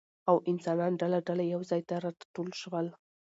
او انسانان ډله ډله يو ځاى ته راټول شول